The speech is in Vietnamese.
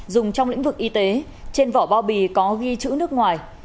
dùng trong lĩnh vực y tế trên vỏ bao bì có ghi chữ nước ngoài